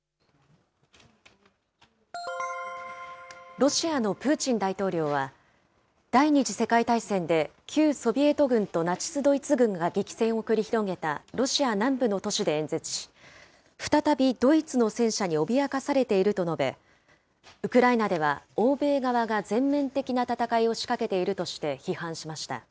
ロシアのプーチン大統領は、第２次世界大戦で旧ソビエト軍とナチス・ドイツ軍が激戦を繰り広げたロシア南部の都市で演説し、再びドイツの戦車に脅かされていると述べ、ウクライナでは、欧米側が全面的な戦いを仕掛けているとして批判しました。